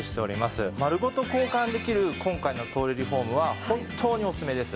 丸ごと交換できる今回のトイレリフォームは本当にオススメです。